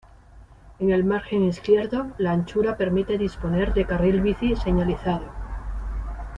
En el margen izquierdo, la anchura permite disponer de carril bici señalizado.